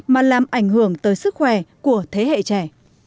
mà làm ảnh hưởng tới sức khỏe của thế hệ trẻ